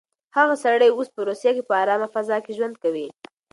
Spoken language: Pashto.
هغه سړی اوس په روسيه کې په ارامه فضا کې ژوند کوي.